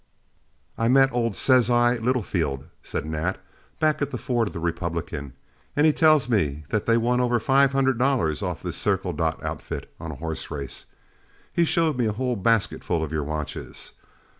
"I met old 'Says I' Littlefield," said Nat, "back at the ford of the Republican, and he tells me that they won over five hundred dollars off this Circle Dot outfit on a horse race. He showed me a whole basketful of your watches.